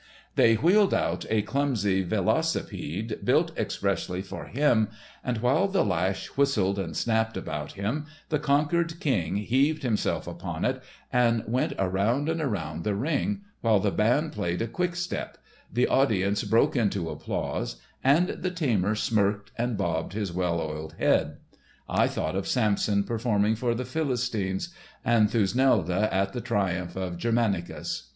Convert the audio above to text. They wheeled out a clumsy velocipede, built expressly for him, and, while the lash whistled and snapped about him, the conquered king heaved himself upon it and went around and around the ring, while the band played a quick step, the audience broke into applause, and the tamer smirked and bobbed his well oiled head. I thought of Samson performing for the Philistines and Thusnelda at the triumph of Germanicus.